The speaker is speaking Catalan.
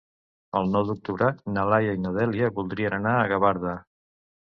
El nou d'octubre na Laia i na Dèlia voldrien anar a Gavarda.